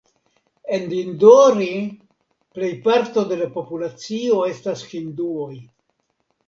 En Dindori plejparto de la populacio estas hinduoj.